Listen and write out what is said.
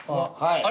あれ？